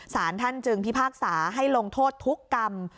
สารท่านจึงพิพากษาให้ลงโทษทุกกรรม